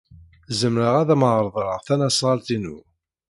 Zemreɣ ad am-reḍleɣ tasnasɣalt-inu.